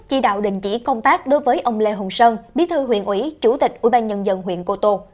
chỉ đạo đình chỉ công tác đối với ông lê hùng sơn bí thư huyện ủy chủ tịch ủy ban nhân dân huyện cô tô